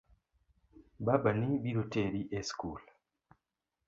Babani biro teri e school .